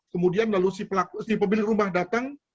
kemudian lalu si pemilik rumah datang